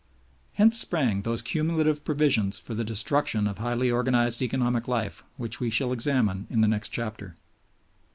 Hence sprang those cumulative provisions for the destruction of highly organized economic life which we shall examine in the next chapter.